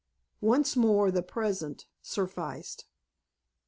Once more the present sufficed.